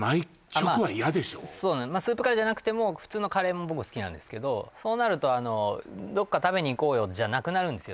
スープカレーじゃなくても普通のカレーも僕は好きなんですけどそうなるとどっか食べに行こうよじゃなくなるんですよ